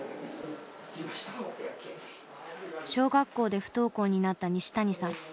小学校で不登校になった西谷さん。